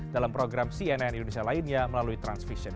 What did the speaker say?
dalam program cnn indonesia lainnya melalui transvision